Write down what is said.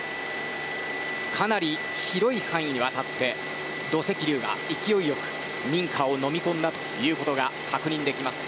かなり広い範囲にわたって土石流が勢いよく民家をのみ込んだことが確認できます。